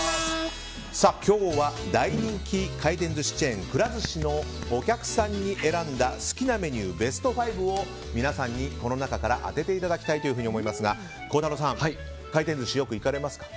今日は大人気回転寿司チェーンくら寿司のお客さんが選んだ好きなメニューベスト５を皆さんにこの中から当てていただきたいと思いますが孝太郎さん、回転寿司よく行かれますか？